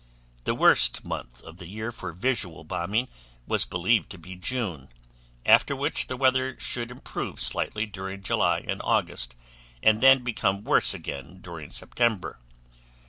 The worst month of the year for visual bombing was believed to be June, after which the weather should improve slightly during July and August and then become worse again during September.